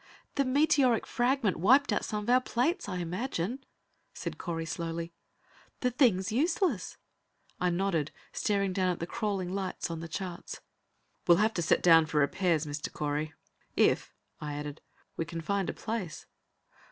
"The meteoric fragment wiped out some of our plates, I imagine," said Correy slowly. "The thing's useless." I nodded, staring down at the crawling lights on the charts. "We'll have to set down for repairs, Mr. Correy. If," I added, "we can find a place."